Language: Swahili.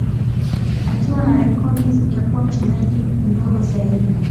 akiwa na rekodi ya kuwa mchezaji mdogo zaidi